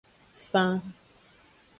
San.